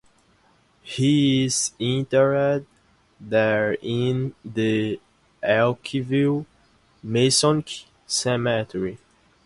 He is interred there in the Elkview Masonic Cemetery.